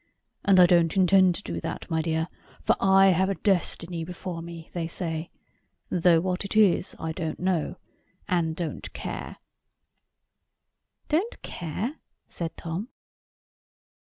And I don't intend to do that, my dear; for I have a destiny before me, they say: though what it is I don't know, and don't care." "Don't care?" said Tom.